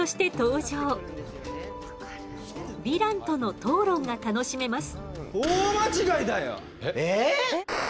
ヴィランとの討論が楽しめます。